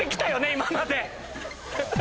今まで！